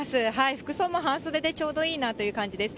服装も半袖でちょうどいいなという感じです。